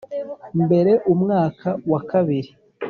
Mbere umwaka wa kabiri